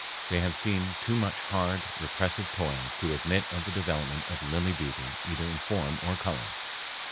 They have seen too much hard, repressive toil to admit of the development of lily beauty either in form or color.